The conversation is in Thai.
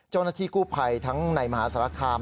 เจ้าหน้าที่กู้ภัยทั้งในมหาสารคาม